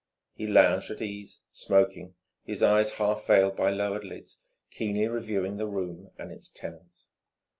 He lounged at ease, smoking, his eyes, half veiled by lowered lids, keenly reviewing the room and its tenants.